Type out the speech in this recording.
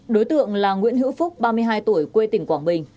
đối tượng là nguyễn hữu phúc ba mươi hai tuổi quê tỉnh quảng bình